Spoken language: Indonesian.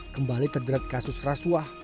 kembali terjerat kasus rasuah